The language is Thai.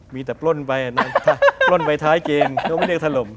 มีแต่ปล้นไปปล้นไปท้ายเกมก็ไม่เรียกถล่ม